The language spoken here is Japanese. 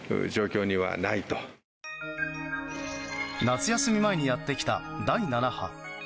夏休み前にやってきた第７波。